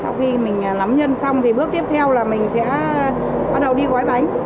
sau khi mình nắm nhân xong thì bước tiếp theo là mình sẽ bắt đầu đi gói bánh